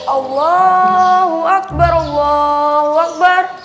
allahu akbar allahu akbar